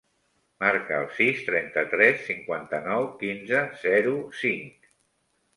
Marca el sis, trenta-tres, cinquanta-nou, quinze, zero, cinc.